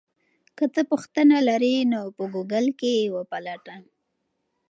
که ته پوښتنه لرې نو په ګوګل کې یې وپلټه.